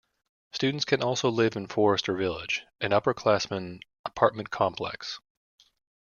Students can also live in Forester Village, an upper class-man apartment complex.